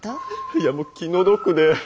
いやもう気の毒で。